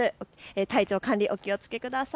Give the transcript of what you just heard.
体調管理、お気をつけください。